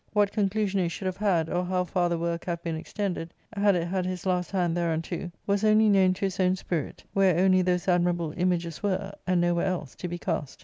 What conclusion it should have had, or how far the work have been extended, had it had his last hand thereunto, was only known to his own spirit, where only those admirable images were — and nowhere else — to be cast.